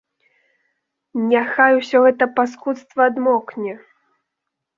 Няхай усё гэта паскудства адмокне.